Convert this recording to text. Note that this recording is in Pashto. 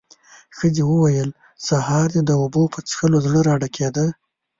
ښځې وويل: سهار دې د اوبو په څښلو زړه راډکېده.